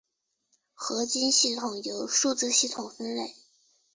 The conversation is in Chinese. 合金系统由数字系统分类。